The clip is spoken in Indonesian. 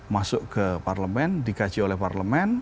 masuk ke parlemen dikaji oleh parlemen